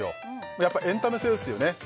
やっぱエンタメ性ですよね